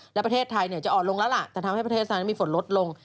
และประเทศไทยจะอ่อนลงแล้วล่ะจะทำให้ประเทศนั้นมีฝนลดลง